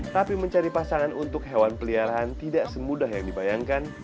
tapi mencari pasangan untuk hewan peliharaan tidak semudah yang dibayangkan